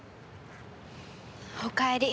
おかえり。